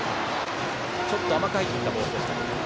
ちょっと甘く入ったボールでした。